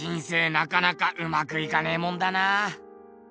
なかなかうまくいかねえもんだな。